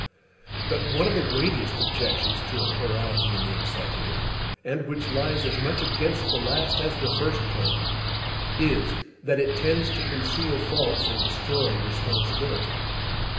(But one of the weightiest objections to a plurality in the Executive, and which lies as much against the last as the first plan, is, that it tends to conceal faults and destroy responsibility.